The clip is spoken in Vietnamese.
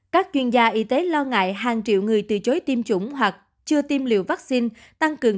các chuyên gia y tế lo ngại hàng triệu người từ chối tiêm chủng hoặc chưa tiêm liều vaccine tăng cường